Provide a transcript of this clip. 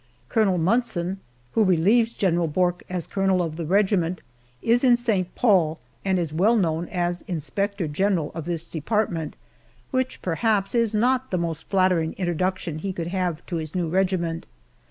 Colonel Munson, who relieves General Bourke as colonel of the regiment, is in St. Paul, and is well known as inspector general of this department, which perhaps is not the most flattering introduction he could have had to his new regiment.